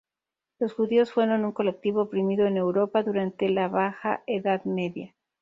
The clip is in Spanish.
Los judíos fueron un colectivo oprimido en Europa durante la Baja Edad Media.